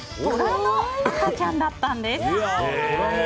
トラの赤ちゃんだったんです。